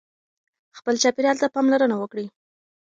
خپل چاپېریال ته پاملرنه وکړئ.